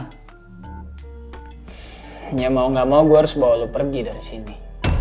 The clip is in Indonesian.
hanya mau gak mau gue harus bawa lu pergi dari sini